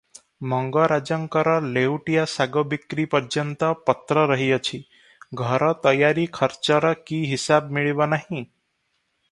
ମଙ୍ଗରାଜଙ୍କର ଲେଉଟିଆ ଶାଗ ବିକ୍ରି ପର୍ଯ୍ୟନ୍ତ ପତ୍ର ରହିଅଛି, ଘର ତୟାରି ଖରଚର କି ହିସାବ ମିଳିବ ନାହିଁ?